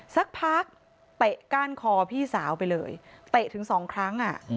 สักพักเตะก้านคอพี่สาวไปเลยเตะถึงสองครั้ง